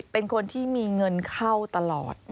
เป็นคนที่มีเงินเข้าตลอด